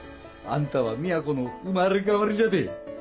あんたはみやこの生まれ変わりじゃて。